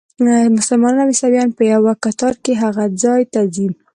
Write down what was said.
مسلمانان او عیسویان په یوه کتار کې هغه ځای ته ځي.